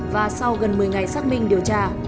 và sau gần một mươi ngày xác minh điều tra